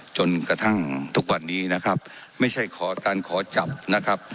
จนกระทั่งทุกวันนี้นะครับไม่ใช่ขอการขอจับนะครับ